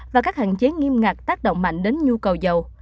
và các hạn chế nghiêm ngặt tác động mạnh đến nhu cầu dầu